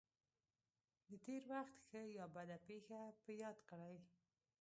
د تېر وخت ښه یا بده پېښه په یاد کړئ.